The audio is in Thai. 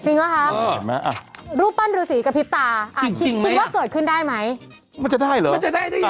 จริงหรือคะรูปปั้นรูสีกะพิบตาคิดว่าเกิดขึ้นได้ไหมบ๊วยจริงไหม